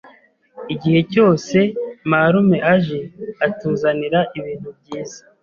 Igihe cyose marume aje, atuzanira ibintu byiza.